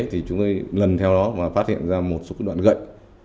thì chúng tôi lần theo đó mà phát hiện ra một số đoạn gậy